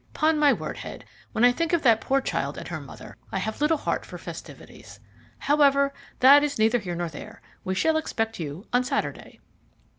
'Pon my word, Head, when I think of that poor child and her mother, I have little heart for festivities. However, that is neither here nor there we shall expect you on Saturday."